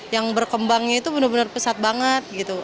yang berkembangnya itu bener bener pesat banget gitu